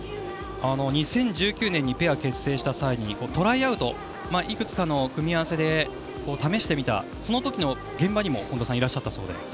２０１９年にペアを結成した際にトライアウトいくつかの組み合わせで試してみたその時の現場にも本田さんはいらっしゃったそうで。